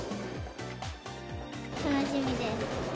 楽しみです。